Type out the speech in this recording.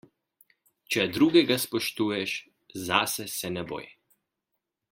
Če drugega spoštuješ, zase se ne boj.